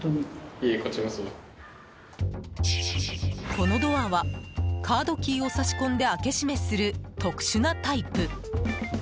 このドアはカードキーを挿し込んで開け閉めする特殊なタイプ。